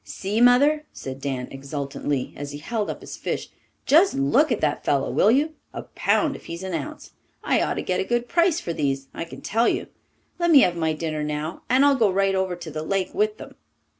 "See, Mother," said Dan exultantly, as he held up his fish. "Just look at that fellow, will you? A pound if he's an ounce! I ought to get a good price for these, I can tell you. Let me have my dinner now, and I'll go right over to the Lake with them."